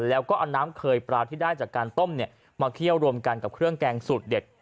แล้วก็เอาน้ำเคยปลาที่ได้จากการต้มมาเคี่ยวรวมกันกับเครื่องแกงสูตรเด็ด